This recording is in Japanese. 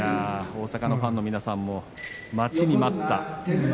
大阪のファンの皆さんも待ちに待った。